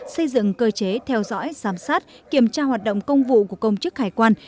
xây dựng cơ chế theo dõi giám sát kiểm tra hoạt động công vụ của công chức hải quan